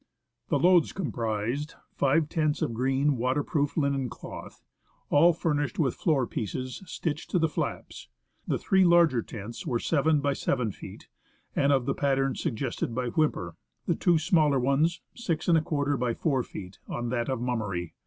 The loads comprised :— Five tents of green, waterproofed linen cloth, all furnished with floor pieces stitched to the flaps. The three larger tents were 7 by 7 feet, and of the pattern sug gested by Whymper, the two smaller ones — 6| by 4 feet — on that of Mummery.